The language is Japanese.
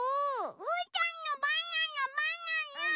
うーたんのバナナバナナ！